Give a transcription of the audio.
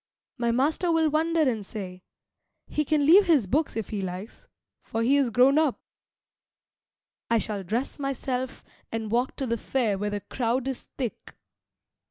My master will wonder and say, "He can leave his books if he likes, for he is grown up." I shall dress myself and walk to the fair where the crowd is thick.